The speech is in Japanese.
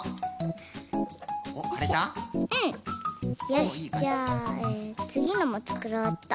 よしじゃあつぎのもつくろうっと。